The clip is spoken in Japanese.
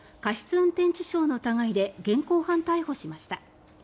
運転致傷の疑いで現行犯逮捕しました。